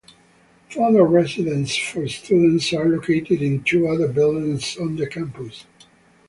Further residences for students are located in two other buildings on the campus.